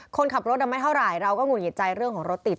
คนขับรถไม่เท่าไหร่เราก็หงุดหงิดใจเรื่องของรถติด